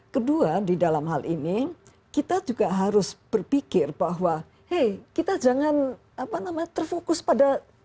kedua di dalam hal ini kita juga harus berpikir bahwa hey kita jangan terfokus pada